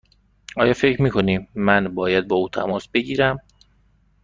آیا فکر می کنی من باید با او تماس بگیرم؟